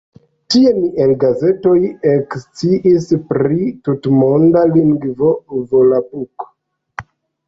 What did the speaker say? Tie mi el gazetoj eksciis pri tutmonda lingvo "Volapuk".